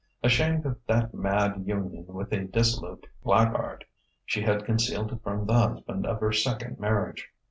Ashamed of that mad union with a dissolute blackguard, she had concealed it from the husband of her second marriage.